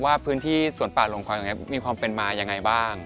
ว่าพื้นที่สวนป่าลงควายมีความเป็นมาอย่างไรบ้าง